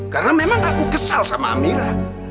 karena memang aku kesal sama amira